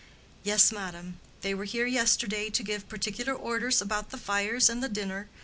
"Yes, madam; they were here yesterday to give particular orders about the fires and the dinner.